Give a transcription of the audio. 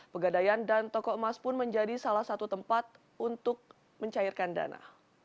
pegadaian dan toko emas pun menjadi salah satu tempat untuk mencairkan dana